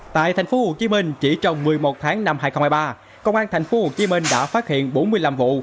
tại thành phố hồ chí minh chỉ trong một mươi một tháng năm hai nghìn hai mươi ba công an thành phố hồ chí minh đã phát hiện bốn mươi năm vụ